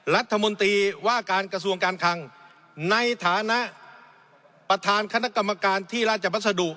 รัฐมนตรีว่าการกระทรวงการคังในฐานะประธานคณะกรรมการที่ราชบัสดุ